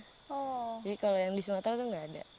jadi kalau yang di sumatera itu nggak ada